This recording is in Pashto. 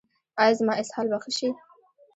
ایا زما اسهال به ښه شي؟